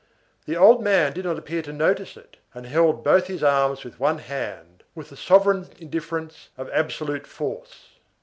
The old man did not appear to notice it, and held both his arms with one hand, with the sovereign indifference of absolute force.